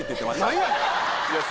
何やねん！